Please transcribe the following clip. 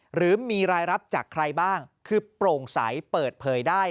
หรือมีรายรับจากใครบ้างคือโปร่งใสเปิดเผยได้